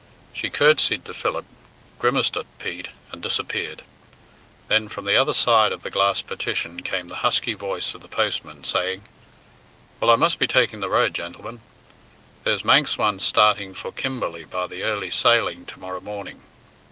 She courtesied to Philip, grimaced at Pete, and disappeared. Then from the other side of the glass partition came the husky voice of the postman, saying, "Well, I must be taking the road, gentlemen. There's Manx ones starting for Kim berley by the early sailing to morrow morning."